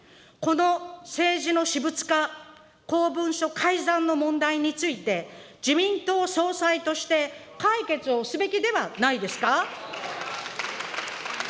この政治の私物化、公文書改ざんの問題について、自民党総裁として解決をすべきではないですか。